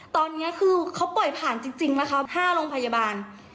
ตอนนี้คือเขาปล่อยผ่านจริงไหมคะ๕โรงพยาบาล